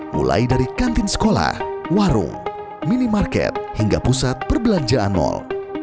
mulai dari kantin sekolah warung minimarket hingga pusat perbelanjaan mal